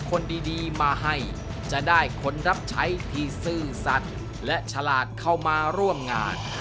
คนดีมาให้จะได้คนรับใช้ที่ซื่อสัตว์และฉลาดเข้ามาร่วมงาน